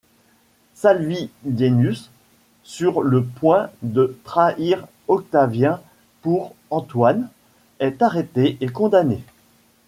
Salvidienus, sur le point de trahir Octavien pour Antoine, est arrêté et condamné.